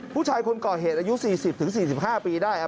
ผู้ชายคนก่อเหตุอายุ๔๐๔๕ปีได้ครับ